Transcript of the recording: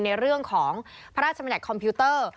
ในเรื่องของพระราชมนตร์คอมพิวเตอร์